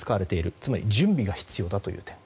つまり準備が必要だという点。